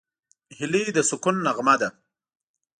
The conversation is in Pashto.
هیلۍ د سکون نغمه ده